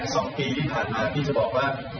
สองปีที่ผ่านมาพี่จะบอกว่า